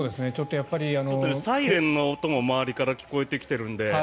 サイレンの音も周りから聞こえてきているので。